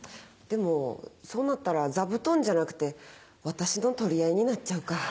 でもそうなったら座布団じゃなくて私の取り合いになっちゃうか。